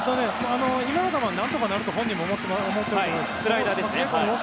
今のは何とかなると本人も思っていたと思います。